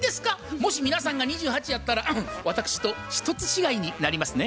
もし皆さんが２８やったら私と１つ違いになりますね。